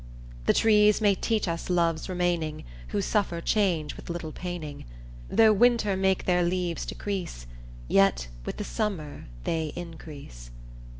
The trees may teach us love's remaining, Who suffer change with little paining Though Winter make their leaves decrease Yet with the Summer they increase.